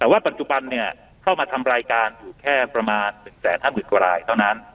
แต่ว่าปัจจุบันเข้ามาทำรายการอยู่แค่ประมาณ๑๕๐๐๐กว่ารายเท่านั้น